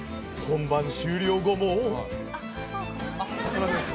本番終了後も。